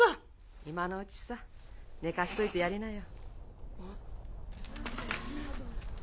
今のうちさ寝かしといてやりなよ。